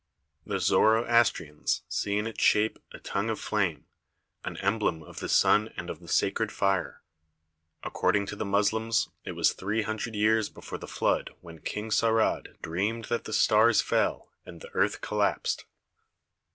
The Zoroastrians see in its shape a tongue of flame, an emblem of the sun and of the sacred fire. According to the Moslems it was three hundred years before the flood when King Saurad dreamed THE PYRAMID OF KHUFU 31 that the stars fell and the earth collapsed.